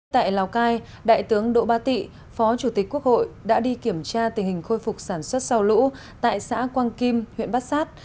tại lào cai đại tướng đỗ ba tị phó chủ tịch quốc hội đã đi kiểm tra tình hình khôi phục sản xuất sau lũ tại xã quang kim huyện bát sát